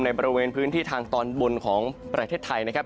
บริเวณพื้นที่ทางตอนบนของประเทศไทยนะครับ